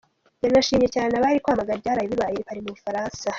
Yanashimiye cyane abari kwamagana ibyaraye bibaye i Paris mu Bufaransa.